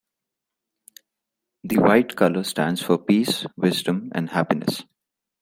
The white color stands for peace, wisdom and happiness.